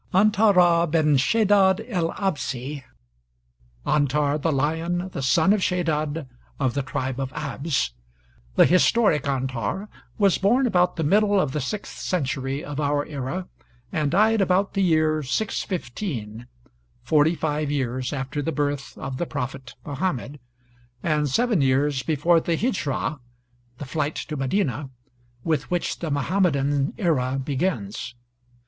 Antarah ben Shedad el Absi (Antar the Lion, the Son of Shedad of the tribe of Abs), the historic Antar, was born about the middle of the sixth century of our era, and died about the year 615, forty five years after the birth of the prophet Muhammad, and seven years before the Hijra the Flight to Medina with which the Muhammadan era begins.